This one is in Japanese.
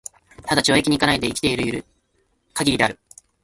只懲役に行かないで生きて居る許りである。